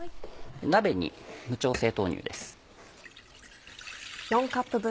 鍋に無調整豆乳です。